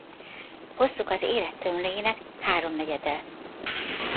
Hosszuk az érett tömlőének háromnegyede.